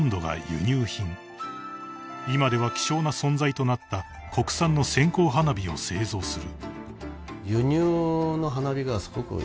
［今では希少な存在となった国産の線香花火を製造する］